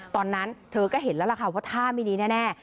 ตอนนั้นเธอก็เห็นแล้วล่ะค่ะว่าท่าไม่ดีแน่